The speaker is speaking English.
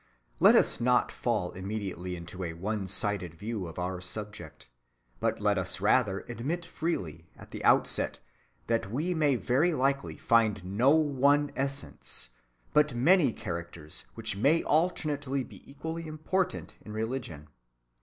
Let us not fall immediately into a one‐sided view of our subject, but let us rather admit freely at the outset that we may very likely find no one essence, but many characters which may alternately be equally important in religion.